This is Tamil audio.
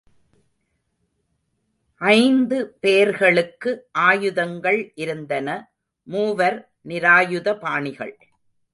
ஐந்து பேர்களுக்கு ஆயுதங்கள் இருந்தன மூவர் நிராயுத பாணிகள்.